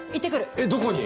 えどこに？